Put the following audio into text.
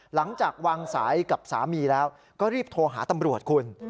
หลังจากวางสายกับสามีแล้วก็รีบโทรหาตำรวจคุณ